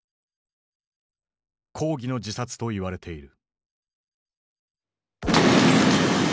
抗議の自殺といわれている。